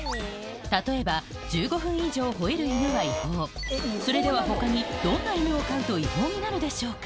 例えば１５分以上吠える犬は違法それでは他にどんな犬を飼うと違法になるでしょうか